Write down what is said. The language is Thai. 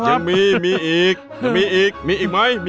เจ้ามีมีอีกมีอีกมีอีกมั้ยวะ